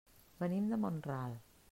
Venim de Mont-ral.